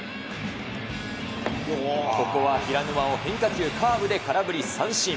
ここはひらぬまを変化球、カーブで空振り三振。